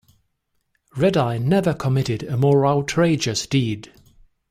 Red-Eye never committed a more outrageous deed.